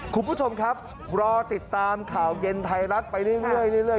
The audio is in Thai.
คุณผู้ชมครับรอติดตามข่าวเย็นไทยรัฐไปเรื่อย